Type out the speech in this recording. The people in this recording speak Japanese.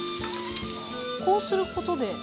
こうすることで？